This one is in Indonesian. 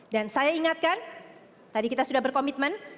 dan saya ingatkan tadi kita sudah berkomitmen